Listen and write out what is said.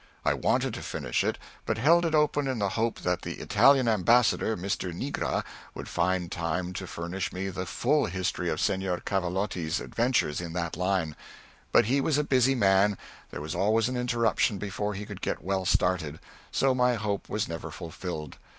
I wanted to finish it, but held it open in the hope that the Italian ambassador, M. Nigra, would find time to furnish me the full history of Señor Cavalotti's adventures in that line. But he was a busy man; there was always an interruption before he could get well started; so my hope was never fulfilled.